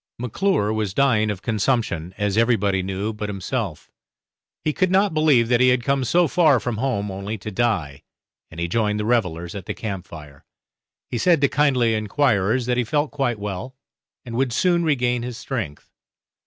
McClure was dying of consumption as everybody knew but himself; he could not believe that he had come so far from home only to die, and he joined the revellers at the camp fire. He said to kindly enquirers that he felt quite well, and would soon regain his strength.